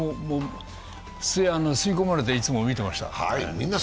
吸い込まれていつも見てました。